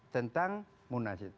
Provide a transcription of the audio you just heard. tentang munas itu